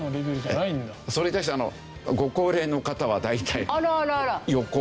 それに対してご高齢の方は大体横ばいと。